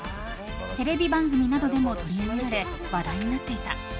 テレビ番組などでも取り上げられ話題になっていた。